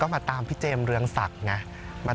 มาตามพี่เจมสเรืองศักดิ์ไง